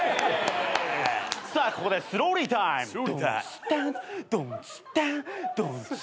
さあここでスローリータイム。